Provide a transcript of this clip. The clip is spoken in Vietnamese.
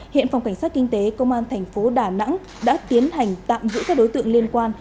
hiện phòng cảnh sát kinh tế công an thành phố đà nẵng đã tiến hành tạm giữ các đối tượng liên quan